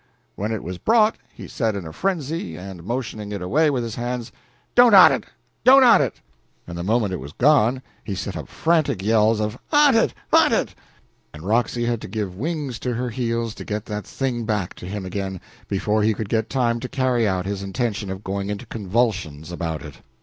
When it was brought, he said in a frenzy, and motioning it away with his hands, "Don't awnt it! don't awnt it!" and the moment it was gone he set up frantic yells of "Awnt it! awnt it! awnt it!" and Roxy had to give wings to her heels to get that thing back to him again before he could get time to carry out his intention of going into convulsions about it.